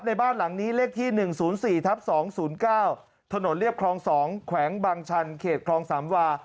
ในบ้านหลังนี้เลขที่๑๐๔ทับ๒๐๙ถนนเรียบคลอง๒แขวงบางชันเขตคลองสามวา